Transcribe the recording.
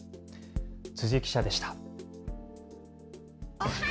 辻記者でした。